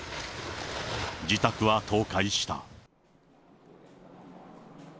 自宅は倒壊した。